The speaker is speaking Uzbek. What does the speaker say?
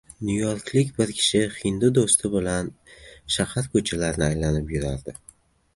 Nyuyorklik bir kishi hindu doʻsti bilan shahar koʻchalarini aylanib yurardi.